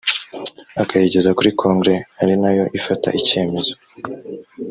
akayigeza kuri kongere ari nayo ifata icyemezo